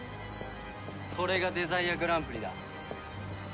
それがデザイアグランプリだ。